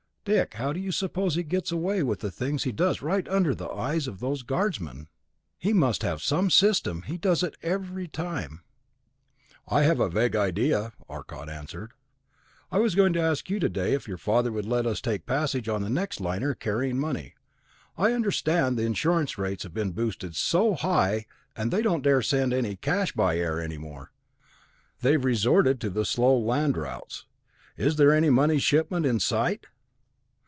"Dick, how do you suppose he gets away with the things he does right under the eyes of those Air Guardsmen? He must have some system; he does it every time." "I have a vague idea," Arcot answered. "I was going to ask you today, if your father would let us take passage on the next liner carrying any money. I understand the insurance rates have been boosted so high that they don't dare to send any cash by air any more. They've resorted to the slow land routes. Is there any money shipment in sight?"